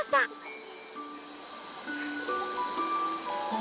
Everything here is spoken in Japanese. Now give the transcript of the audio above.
お！